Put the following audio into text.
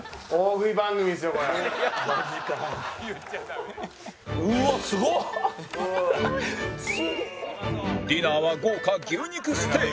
ディナーは豪華牛肉ステーキ